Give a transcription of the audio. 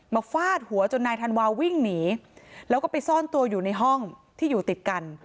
ฟาดหัวจนนายธันวาวิ่งหนีแล้วก็ไปซ่อนตัวอยู่ในห้องที่อยู่ติดกัน